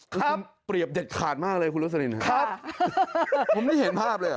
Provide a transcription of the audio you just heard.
ครับเปรียบเด็ดขาดมากเลยคุณลักษณีย์ครับผมไม่เห็นภาพเลย